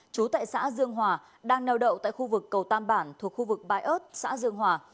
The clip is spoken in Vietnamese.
chú tại xã dương hòa đang neo đậu tại khu vực cầu tam bản thuộc khu vực bãi ớt xã dương hòa